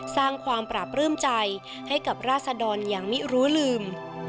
สร้างความปราบปลื้มใจให้กับราศดรอย่างไม่รู้ลืม